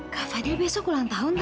kak fadil besok ulang tahun tante